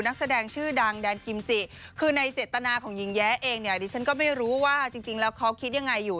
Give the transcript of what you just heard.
นักแสดงชื่อดังแดนกิมจิคือในเจตนาของหญิงแย้เองเนี่ยดิฉันก็ไม่รู้ว่าจริงแล้วเขาคิดยังไงอยู่